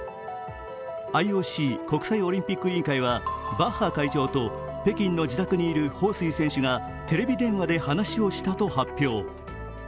ＩＯＣ＝国際オリンピック委員会はバッハ会長と北京の自宅にいる彭帥選手がテレビ電話で話をしたと発表。